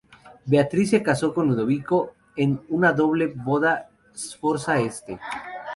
Beatriz se casó con Ludovico en una doble boda Sforza-Este.